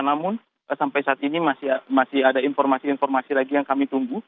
namun sampai saat ini masih ada informasi informasi lagi yang kami tunggu